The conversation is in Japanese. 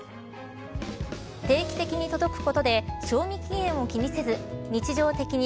定期的に届くことで賞味期限を気にせず日常的に